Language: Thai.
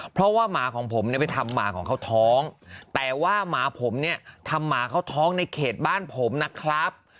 เพราะว่าหมาของผมเนี่ยไปทำหมาของเขาท้องแต่ว่าหมาผมเนี่ยทำหมาเขาท้องในเขตบ้านผมนะครับ